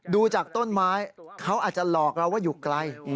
ดูจากต้นไม้เขาอาจจะหลอกเราว่าอยู่ไกล